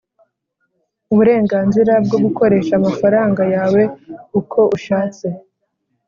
uburenganzira bwo gukoresha amafaranga yawe uko ushatse